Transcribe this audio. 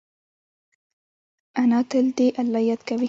انا تل د الله یاد کوي